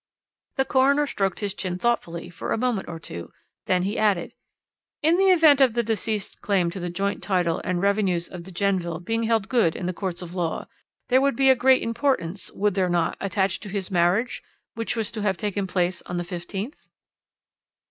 "The coroner stroked his chin thoughtfully for a moment or two, then he added: "'In the event of the deceased's claim to the joint title and revenues of De Genneville being held good in the courts of law, there would be a great importance, would there not, attached to his marriage, which was to have taken place on the 15th?'